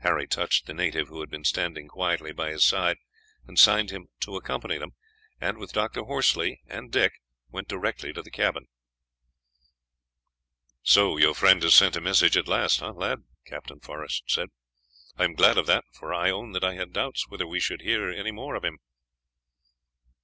Harry touched the native, who had been standing quietly by his side, and signed him to accompany them, and with Dr. Horsley and Dick went direct to the cabin. "So your friend has sent a message at last, lad?" Captain Forest said. "I am glad of that, for I own that I had doubts whether we should hear any more of him."